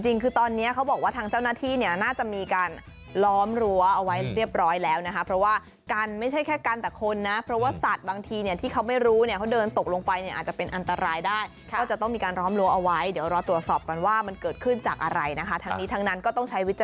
จริงคือตอนนี้เขาบอกว่าทางเจ้าหน้าที่เนี่ยน่าจะมีการล้อมรั้วเอาไว้เรียบร้อยแล้วนะคะเพราะว่ากันไม่ใช่แค่กันแต่คนนะเพราะว่าสัตว์บางทีเนี่ยที่เขาไม่รู้เนี่ยเขาเดินตกลงไปเนี่ยอาจจะเป็นอันตรายได้ก็จะต้องมีการล้อมรั้วเอาไว้เดี๋ยวรอตรวจสอบกันว่ามันเกิดขึ้นจากอะไรนะคะทั้งนี้ทั้งนั้นก็ต้องใช้วิจา